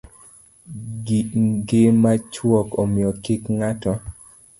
Ngima chuok, omiyo kik ng'ato